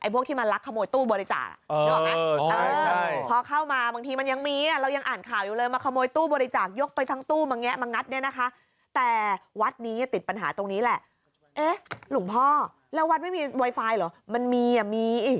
พ่อแล้ววัดไม่มีไวไฟเหรอมันมีอ่ะมี